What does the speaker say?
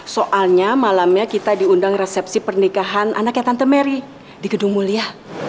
soalnya malamnya kita diundang resepsi pernikahan anaknya tante mary di gedung mulia